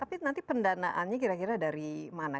tapi nanti pendanaannya kira kira dari mana